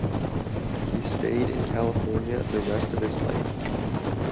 He stayed in California the rest of his life.